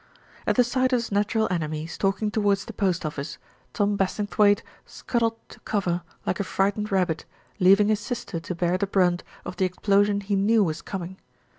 At the sight of his natural enemy stalking towards the post office, Tom Bassingthwaighte scuttled to cover like a frightened rabbit, leaving his sister to bear the brunt of the explosion he knew was coming.